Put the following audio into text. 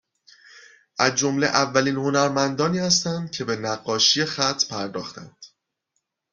از جمله اولین هنرمندانی هستند که به نقاشیخط پرداختند